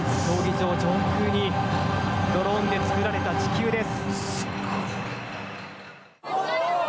上空にドローンで作られた地球です。